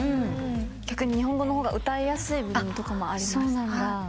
逆に日本語の方が歌いやすい部分とかもありました。